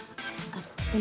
あっ。